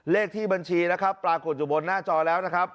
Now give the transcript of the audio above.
เลขที่บัญชีนะครับปรากฏอยู่บนหน้าจอแล้วนะครับ